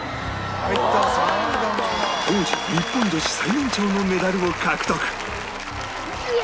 当時日本女子最年長のメダルを獲得！